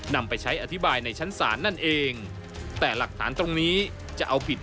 นำไปใช้อธิบายในชั้นศาลนั่นเองแต่หลักฐานตรงนี้จะเอาผิด